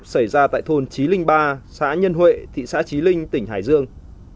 xảy ra tại thôn chí linh ba xã nhân huệ thị xã chí linh tỉnh hải dương